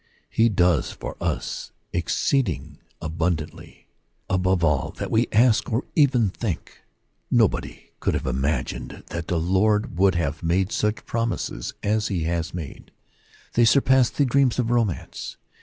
He does for us " exceeding abundantly above all that we ask or even think." Nobody could have imagined that the Lord would have made such promises as he has made: they surpass the dreams of romance.